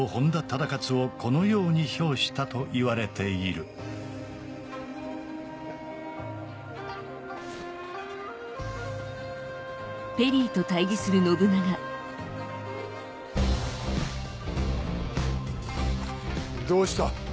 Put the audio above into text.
忠勝をこのように評したといわれているどうした？